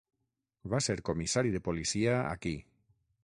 Va ser comissari de policia aquí.